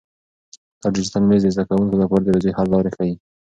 دا ډیجیټل مېز د زده کونکو لپاره د ریاضي حل لارې ښیي.